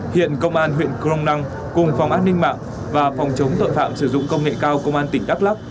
hiện công an huyện krong nang cùng phòng ác ninh mạng và phòng chống tội phạm sử dụng công nghệ cao công an tỉnh đắk lắk